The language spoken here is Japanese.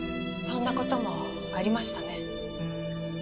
そんな事もありましたね。